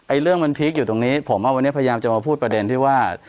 เรื่องมันพีคอยู่ตรงนี้ผมว่าวันนี้พยายามจะมาพูดประเด็นที่ว่า